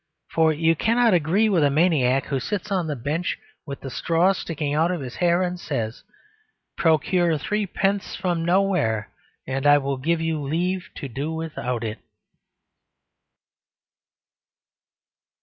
For you cannot agree with a maniac who sits on the bench with the straws sticking out of his hair and says, "Procure threepence from nowhere and I will give you leave to do without it."